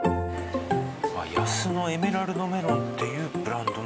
夜須のエメラルドメロンっていうブランドなんだ。